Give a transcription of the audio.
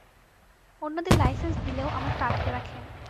অন্যদের লাইসেন্স দিলেও আমারটা আটকে রাখেন।